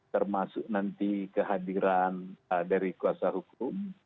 termasuk nanti kehadiran dari kuasa hukum